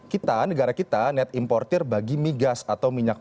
kita negara kita net importer bagi migas atau minyak